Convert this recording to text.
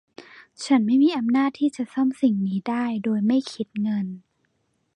ฉันไม่มีอำนาจที่จะซ่อมสิ่งนี้ได้โดยไม่คิดเงิน